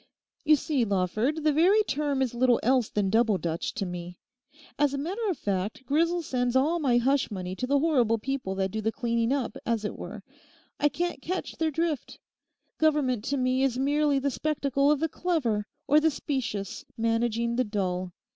'You see, Lawford, the very term is little else than Double Dutch to me. As a matter of fact Grisel sends all my hush money to the horrible people that do the cleaning up, as it were. I can't catch their drift. Government to me is merely the spectacle of the clever, or the specious, managing the dull.